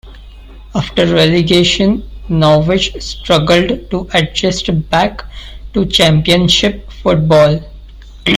After relegation Norwich struggled to adjust back to Championship football.